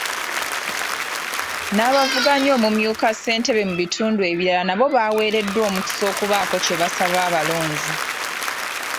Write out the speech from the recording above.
N'abavuganya okumyuka Ssentebe mubitundu ebirala nabo baweereddwa omukisa okubaako kye basaba abalonzi.